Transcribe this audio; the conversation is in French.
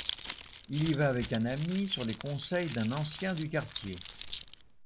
Il y va avec un ami sur les conseils d’un ancien du quartier.